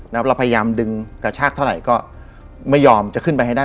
แล้วเราพยายามดึงกระชากเท่าไหร่ก็ไม่ยอมจะขึ้นไปให้ได้